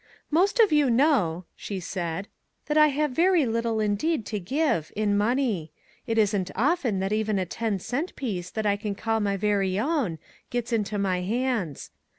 " Most of you know," she said, " that I have very little indeed to give, in money. It isn't often that even a ten cent piece that I can call my very own gets into my hands.